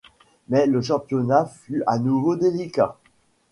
Mais le championnat fut à nouveau délicat.